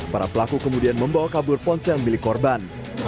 para pelaku kemudian membawa kabur ponsel milik korban